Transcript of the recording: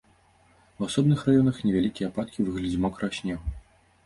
У асобных раёнах невялікія ападкі ў выглядзе мокрага снегу.